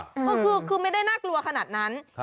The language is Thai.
ก็คือไม่ได้น่ากลัวขนาดนั้น